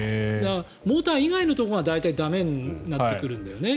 モーター以外のところが大体駄目になってくるんだよね。